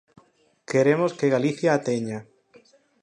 Queremos que Galicia a teña.